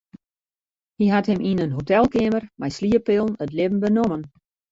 Hy hat him yn in hotelkeamer mei slieppillen it libben benommen.